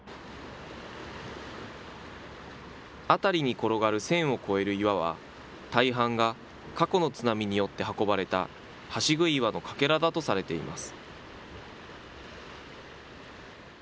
辺りに転がる１０００を超える岩は大半が過去の津波によって運ばれた、橋杭岩のかけらだとされています。